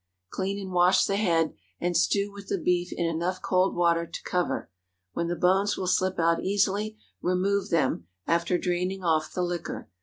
Clean and wash the head, and stew with the beef in enough cold water to cover. When the bones will slip out easily, remove them, after draining off the liquor.